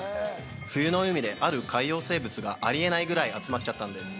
冬の海である海洋生物があり得ないぐらい集まっちゃったんです。